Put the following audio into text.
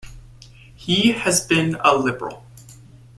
He has been a Liberal.